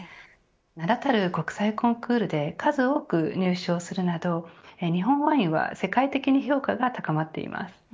名だたる国際コンクールで数多く入賞するなど日本ワインは世界的に評価が高まっています。